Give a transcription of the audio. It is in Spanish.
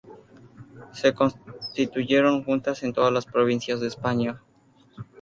Se constituyeron juntas en todas las provincias de España.